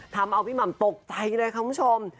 ทำเอาพี่หม่ำตกใจเลยค่ะคุณผู้ชม